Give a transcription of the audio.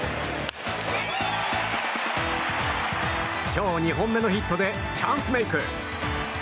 今日２本目のヒットでチャンスメイク。